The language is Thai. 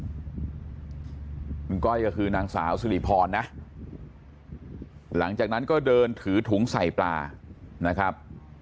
คุณก้อยก็คือนางสาวสิริพรนะหลังจากนั้นก็เดินถือถุงใส่ปลานะครับ